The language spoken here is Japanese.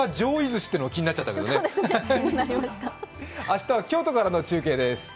明日は京都からの中継です。